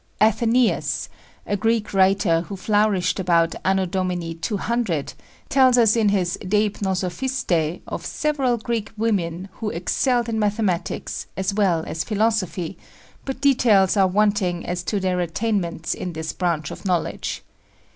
Athenæus, a Greek writer who flourished about A.D. 200, tells us in his Deipnosophistæ of several Greek women who excelled in mathematics, as well as philosophy, but details are wanting as to their attainments in this branch of knowledge.